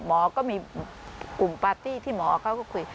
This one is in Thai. หมอก็มีกลุ่มปาร์ตี้ที่หมอเขาก็คุย